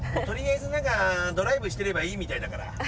取りあえず何かドライブしてればいいみたいだから。